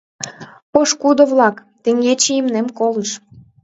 Пошкудо-влак, теҥгече имнем колыш.